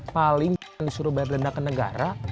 paling di suruh balik lendah ke negara